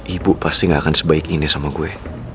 ibu pasti gak akan sebaik ini sama gue